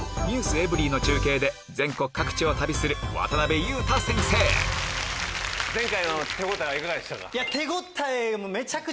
『ｎｅｗｓｅｖｅｒｙ．』の中継で全国各地を旅する前回の手応えはいかがでしたか？